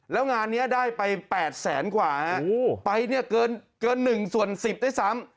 แล้วงานนี้ได้ไป๘แสนกว่าฮะไปเนี่ยเกิน๑ส่วน๑๐ด้วยซ้ำ